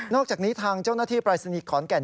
อกจากนี้ทางเจ้าหน้าที่ปรายศนีย์ขอนแก่น